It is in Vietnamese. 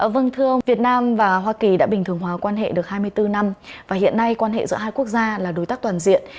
vâng thưa ông việt nam và hoa kỳ đã bình thường hóa quan hệ được hai mươi bốn năm và hiện nay quan hệ giữa hai quốc gia là đối tác toàn diện